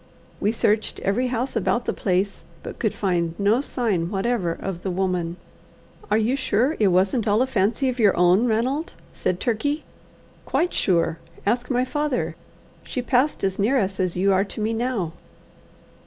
We searched every house about the place, but could find no sign whatever of the woman. "Are you sure it wasn't all a fancy of your own, Ranald?" said Turkey. "Quite sure. Ask my father. She passed as near us as you are to me now."